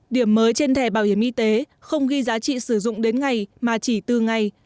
điểm mới trên thẻ bảo hiểm y tế không ghi giá trị sử dụng đến ngày mà chỉ từ ngày